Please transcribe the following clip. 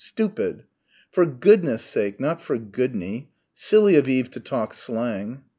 stupid ... "for goodness' sake," not "for goodney." Silly of Eve to talk slang....